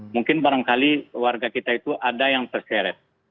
mungkin barangkali warga kita itu ada yang terseret